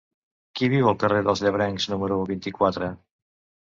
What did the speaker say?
Qui viu al carrer dels Llebrencs número vint-i-quatre?